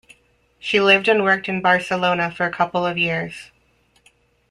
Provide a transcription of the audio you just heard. She lived and worked in Barcelona for couple of years.